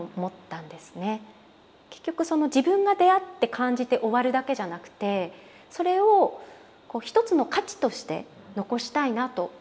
結局自分が出会って感じて終わるだけじゃなくてそれを一つの価値として残したいなと思いました。